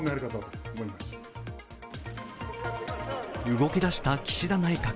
動き出した岸田内閣。